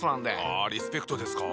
あリスペクトですか。